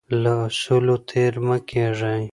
له اصولو تیر مه کیږئ.